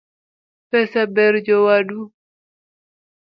Pesa ber jowadu